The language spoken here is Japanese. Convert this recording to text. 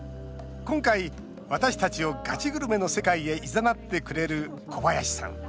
今回、私たちをガチグルメの世界へいざなってくれる、小林さん。